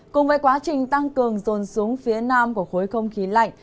cùng với quá trình tăng cường dồn xuống phía nam của khối không khí lạnh